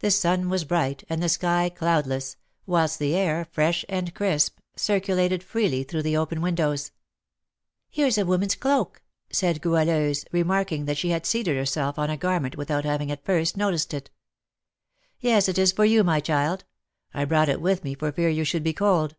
The sun was bright, and the sky cloudless, whilst the air, fresh and crisp, circulated freely through the open windows. "Here is a woman's cloak!" said Goualeuse, remarking that she had seated herself on the garment without having at first noticed it. "Yes, it is for you, my child; I brought it with me for fear you should be cold."